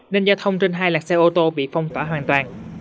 nên giao thông trên hai lạc xe ô tô bị phong tỏa hoàn toàn